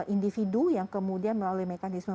individu yang kemudian melalui mekanisme